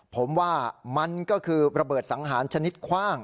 ผมว่ามันก็คือระเบิดสังหารชนิดคว่าง